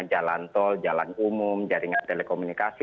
jalan tol jalan umum jaringan telekomunikasi